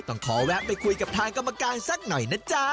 ต้องขอแวะไปคุยกับทางกรรมการสักหน่อยนะจ๊ะ